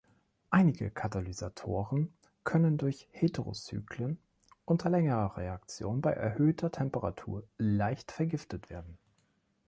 Einige Katalysatoren können durch Heterocyclen unter längerer Reaktion bei erhöhter Temperatur leicht vergiftet werden.